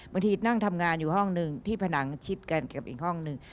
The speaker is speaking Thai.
บางทีนั่งทำงานอยู่ห้องหนึ่งที่ผนังชิดกันกับอีกห้องหนึ่ง